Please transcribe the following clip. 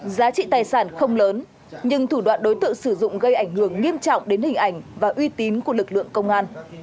giá trị tài sản không lớn nhưng thủ đoạn đối tượng sử dụng gây ảnh hưởng nghiêm trọng đến hình ảnh và uy tín của lực lượng công an